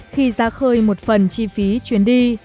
khi ra khơi một phần chi phí chuyến đi